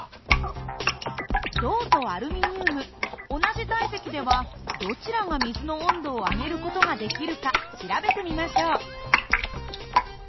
同じ体積ではどちらが水の温度を上げる事ができるか調べてみましょう。